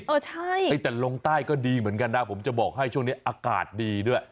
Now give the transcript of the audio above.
เออใช่แต่ลงใต้ก็ดีเหมือนกันนะผมจะบอกให้ช่วงนี้อากาศดีด้วย